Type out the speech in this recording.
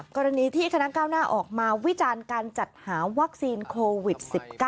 กรณีที่คณะก้าวหน้าออกมาวิจารณ์การจัดหาวัคซีนโควิด๑๙